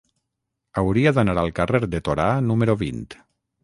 Hauria d'anar al carrer de Torà número vint.